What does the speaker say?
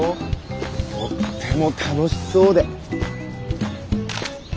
とっても楽しそうで。